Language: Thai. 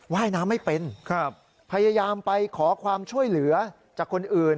ว่ายน้ำไม่เป็นครับพยายามไปขอความช่วยเหลือจากคนอื่น